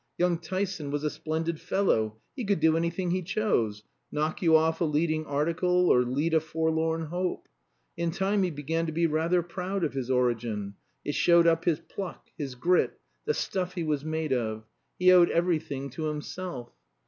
Young Tyson was a splendid fellow; he could do anything he chose knock you off a leading article or lead a forlorn hope. In time he began to be rather proud of his origin; it showed up his pluck, his grit, the stuff he was made of. He owed everything to himself.